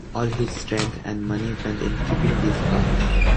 All his strength and money went in keeping this girl.